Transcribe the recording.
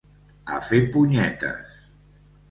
A fer punyetes!